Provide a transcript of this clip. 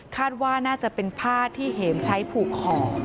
คาดว่าน่าจะเป็นผ้าที่เห็มใช้ผูกคอ